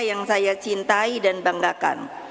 yang saya cintai dan banggakan